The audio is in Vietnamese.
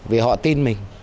vì họ tin mình